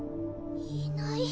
いない？